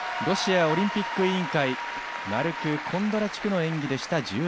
ロシアオリンピック委員会、マルク・コンドラチュクの演技でした。